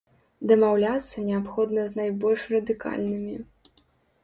Дамаўляцца неабходна з найбольш радыкальнымі.